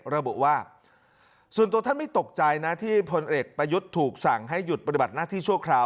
ระบุว่าส่วนตัวท่านไม่ตกใจนะที่พลเอกประยุทธ์ถูกสั่งให้หยุดปฏิบัติหน้าที่ชั่วคราว